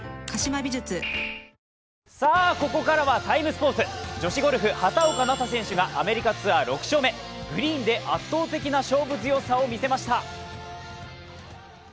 スポーツ女子ゴルフ、畑岡奈紗選手がアメリカツアー６勝目グリーンで圧倒的な勝負強さを見せました。